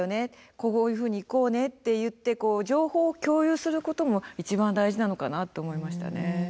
「こういうふうに行こうね」って言って情報を共有することも一番大事なのかなと思いましたね。